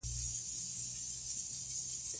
ماشومان د تشویق له لارې ښه زده کړه کوي